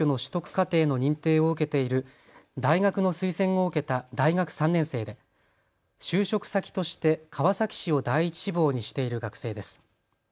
課程の認定を受けている大学の推薦を受けた大学３年生で就職先として川崎市を第１志望にしている学生です。